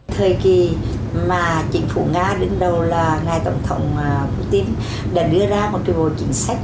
thời kỳ mà chính phủ nga đứng đầu là ngài tổng thống putin đã đưa ra một cái bộ chính sách